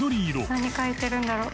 何描いてるんだろう？